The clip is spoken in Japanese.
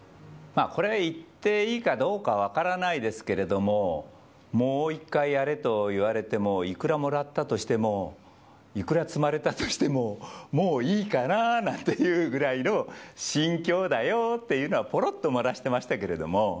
これ言っていいかどうか分からないですけれども、もう一回やれといわれても、いくらもらったとしても、いくら積まれたとしても、もういいかななんていうぐらいの心境だよっていうのは、ぽろっと漏らしてましたけれども。